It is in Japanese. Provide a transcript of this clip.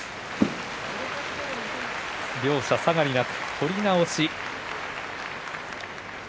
両者下がりなく取り直し。